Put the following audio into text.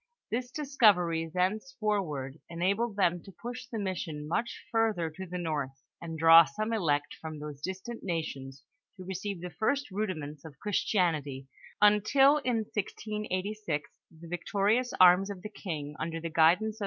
This discovery thenceforward enabled them to push the mission much further to the north, and draw some elect from those distant nations to receive the first rudiments of Christianity, until in 1686, the victorious arms of the king, under the guidance of M.